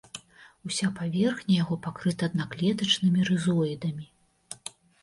Уся паверхня яго пакрыта аднаклетачнымі рызоідамі.